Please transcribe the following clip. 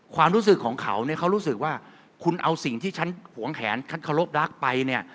ความรู้สึกของเขาเนี่ยเขารู้สึกว่าคุณเอาสิ่งที่ฉันหวงแขนฉันเคารพรักไปเนี่ย